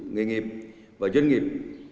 nghề nghiệp và doanh nghiệp